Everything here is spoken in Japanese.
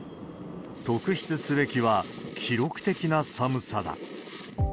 特筆すべきは、記録的な寒さだ。